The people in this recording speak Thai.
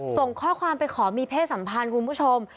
ส่งข้อความไปขอมีเพศสัมพันธ์คุณผู้ชม